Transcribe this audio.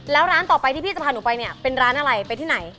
แล้วร้านต่อไปที่พี่จะพาหนูไปเนี่ยเป็นร้านอะไรไปที่ไหน